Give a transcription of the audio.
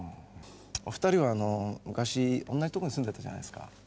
お二人は昔おんなじとこに住んでたじゃないですか。